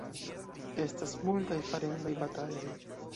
Estas multaj farendaj bataloj.